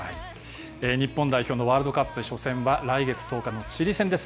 日本代表のワールドカップ初戦は来月１０日のチリ戦です。